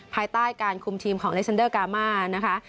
ภายใต้การคุมทีมของเลซันเดอร์กามานะคะ